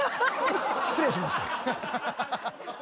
失礼しました。